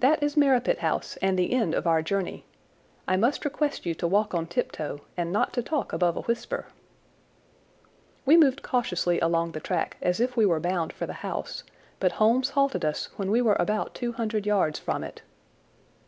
"That is Merripit House and the end of our journey. I must request you to walk on tiptoe and not to talk above a whisper." We moved cautiously along the track as if we were bound for the house, but Holmes halted us when we were about two hundred yards from it.